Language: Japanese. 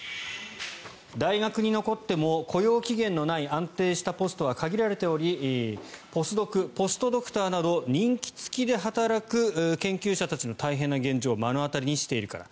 大学に残っても雇用期限のない安定したポストが限られておりポスドク、ポストドクターなど任期付きで働く研究者たちの大変な現状を目の当たりにしているから。